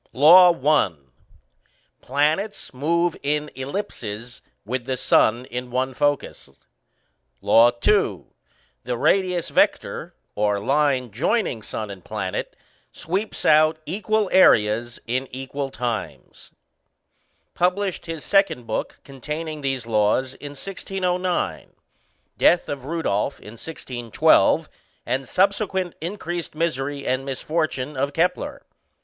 LAW I. Planets move in ellipses, with the Sun in one focus. LAW II. The radius vector (or line joining sun and planet) sweeps out equal areas in equal times. Published his second book containing these laws in 1609. Death of Rudolph in 1612, and subsequent increased misery and misfortune of Kepler.